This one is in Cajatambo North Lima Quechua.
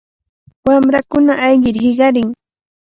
Wamrakuna ayqir hiqarin.